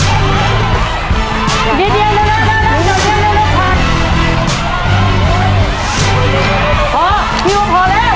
เดี๋ยวเดี๋ยวเร็วเร็วเร็วเร็วเร็วเร็วเร็วเร็ว